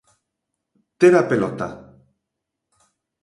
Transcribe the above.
Ter a pelota.